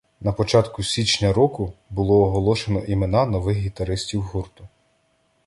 На початку січня року було оголошено імена нових гітаристів гурту.